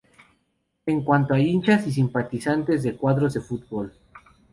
En cuanto a hinchas y simpatizantes de cuadros de futbol.